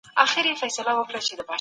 ایا تکړه پلورونکي ممیز خرڅوي؟